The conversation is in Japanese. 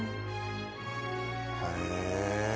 「へえ」